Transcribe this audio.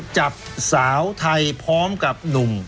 จับสาวไทยพร้อมกับหนุ่ม